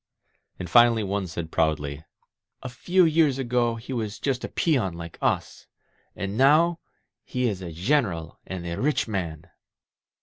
And finally one said proudly: "A few years 18 URBINA'S COUNTRY ago he was just a peon like us ; and now he is a Gen eral and a rich man."